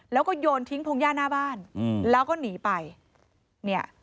แล้วก็โยนทิ้งพุงย่าหน้าบ้านแล้วก็หนีไป